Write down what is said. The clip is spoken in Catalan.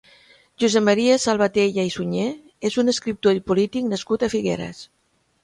Josep Maria Salvatella i Suñer és un escriptor i polític nascut a Figueres.